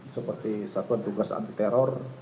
seperti satuan tugas anti teror